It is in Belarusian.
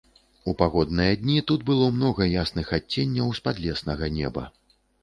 У пагодныя дні тут многа было ясных адценняў з падлеснага неба.